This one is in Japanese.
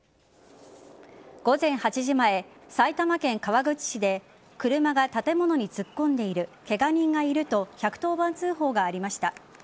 午前８時前、埼玉県川口市で車が建物に突っ込んでいるケガ人がいると１１０番通報がありました。